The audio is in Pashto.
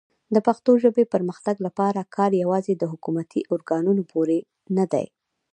د پښتو ژبې پرمختګ لپاره کار یوازې د حکومتي ارګانونو پورې نه دی.